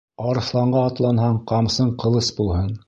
Арыҫланға атланһаң, ҡамсың ҡылыс булһын.